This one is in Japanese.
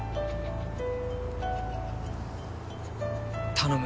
頼む！